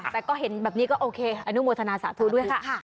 แต่ก็เห็นแบบนี้ก็โอเคอนุโมทนาสาธุด้วยค่ะ